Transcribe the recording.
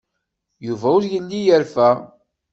Yuba ur yelli yerfa.